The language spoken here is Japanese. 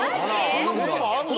そんな事もあるの？